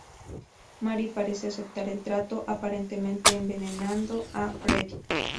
Mary parece aceptar el trato, aparentemente envenenando a Freddy.